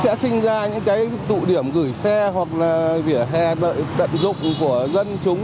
sẽ sinh ra những cái tụ điểm gửi xe hoặc là vỉa hè tận dụng của dân chúng